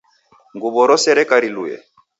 Nguwo rose reka riluwe